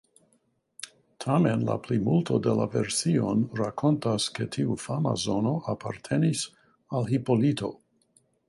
Tamen, la plimulto de la version rakontas ke tiu fama zono apartenis al Hipolito.